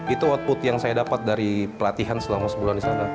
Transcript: itu output yang saya dapat dari pelatihan selama sebulan di sana